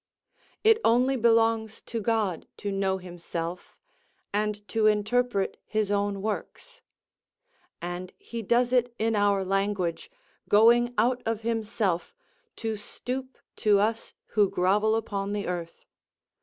It only belongs to God to know himself, and to interpret his own works; and he does it in our language, going out of himself, to stoop to us who grovel upon the earth.